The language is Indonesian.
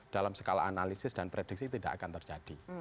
dalam skala analisis dan prediksi tidak akan terjadi